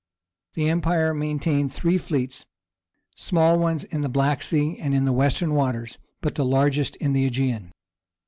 The empire maintained three fleets, small ones in the Black Sea and in Western waters; but the largest in the Aegean.